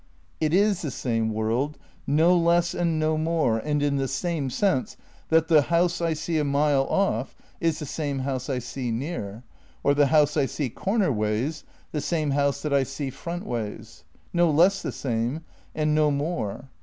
It is the same world, no less and no more and in the same sense that the house I see a mile off is the same house I see near, or the house I see cornerways the same house that I see frontways. No less the same — and no more.